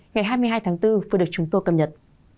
ngày hai mươi hai tháng bốn vừa được chúng tôi cập nhật